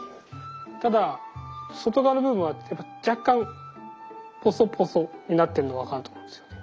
ただ外側の部分は若干ポソポソになってるのが分かると思うんですよね